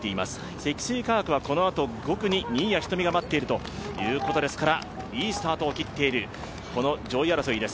積水化学はこのあと５区に新谷仁美が待っているということですからいいスタートを切っている上位争いです。